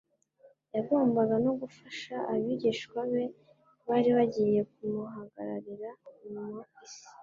yagombaga no gufasha abigishwa be bari bagiye kumuhagararira mu isi